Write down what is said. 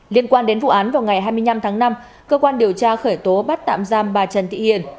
liên quan đến vụ án vào ngày hai mươi năm tháng năm cơ quan điều tra khởi tố bắt tạm giam bà trần thị hiền